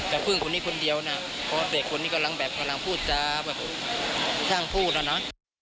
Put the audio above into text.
แต่พึ่งคนนี้คนเดียวนะเพราะเด็กคนนี้กำลังแบบกำลังพูดจาแบบช่างพูดนะ